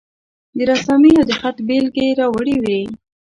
د رسامي او د خط بیلګې یې راوړې وې.